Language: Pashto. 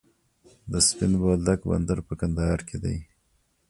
د سپین بولدک بندر په کندهار کې دی